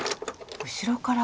後ろから。